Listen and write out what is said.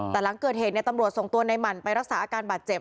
แต่หลังเกิดเหตุตำรวจส่งตัวในหมั่นไปรักษาอาการบาดเจ็บ